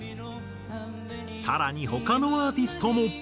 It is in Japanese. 更に他のアーティストも。